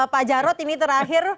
pak jarod ini terakhir